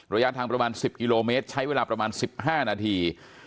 ระยะทางประมาณ๑๐กิโลเมตรใช้เวลาประมาณ๑๕นาที